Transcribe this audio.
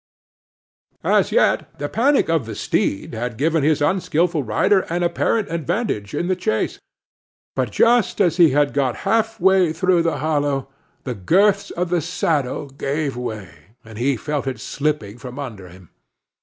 As yet the panic of the steed had given his unskilful rider an apparent advantage in the chase, but just as he had got half way through the hollow, the girths of the saddle gave way, and he felt it slipping from under him.